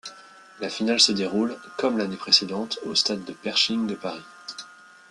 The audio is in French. La finale se déroule, comme l'année précédente au stade Pershing de Paris.